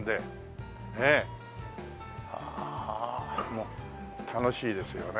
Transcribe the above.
もう楽しいですよね